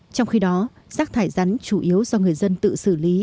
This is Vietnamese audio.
trong khi đó rác thải rắn chủ yếu do người dân tự xử lý